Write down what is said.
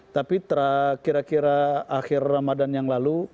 tapi kira kira akhir ramadan yang lalu